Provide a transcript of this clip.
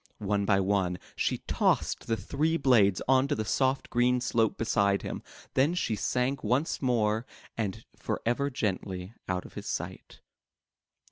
One by one, she tossed the three blades onto the soft green slope beside him, then she sank once more and forever gently out of his sight.